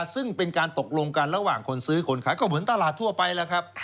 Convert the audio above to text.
ซึ่งเป็นการตกลงกันระหว่างคนซื้อคนขายก็เหมือนตลาดทั่วไปแล้วครับ